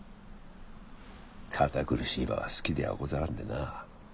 堅苦しい場は好きではござらんでなあ。